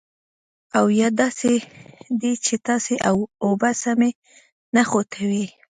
او یا داسې دي چې تاسې اوبه سمې نه خوټوئ.